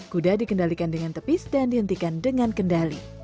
kuda dikendalikan dengan tepis dan dihentikan dengan kendali